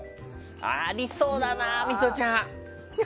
ありそうだな、ミトちゃん。